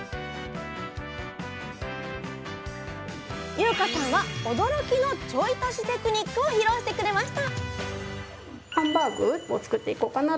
優夏さんは驚きの「ちょい足しテクニック」を披露してくれました